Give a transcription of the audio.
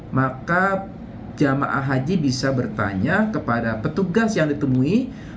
maka jemaah haji bisa bertanya kepada petugas yang ditemui